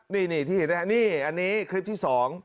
นี่ที่เห็นนะครับนี่อันนี้คลิปที่๒